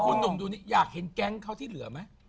คุณหนุ่มดูนี่อยากเห็นแก๊งเขาที่เหลือไหม